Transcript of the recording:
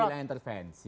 jadi bukan intervensi